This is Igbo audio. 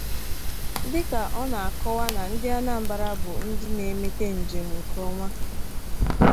Dịka ọ na-akọwa na ndị Anambra bụ ndị na-emete njem nke ọma